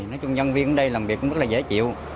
nói chung nhân viên đến đây làm việc cũng rất là dễ chịu